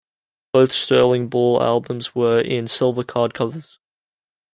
Both Sterling Ball albums were in silver card covers.